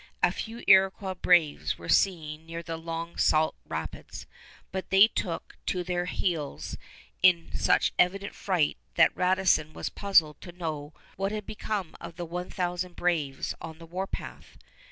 A few Iroquois braves were seen near the Long Sault Rapids, but they took to their heels in such evident fright that Radisson was puzzled to know what had become of the one thousand braves on the warpath.